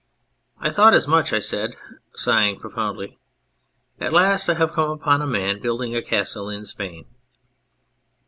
' I thought as much,' I said, sighing profoundly. 'At last I have come upon a man building a castle in Spain.'